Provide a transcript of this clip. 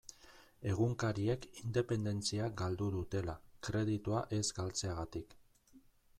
Egunkariek independentzia galdu dutela, kreditua ez galtzegatik.